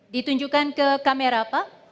ditunjukkan ke kamera pak